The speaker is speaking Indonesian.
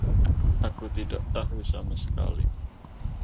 Aku tidak tahu sama sekali.